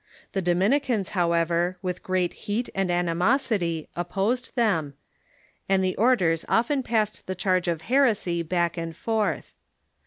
The Dominicans, however, with great heat and animosity, opposed them, and the orders often passed the charge of heresy back and forth.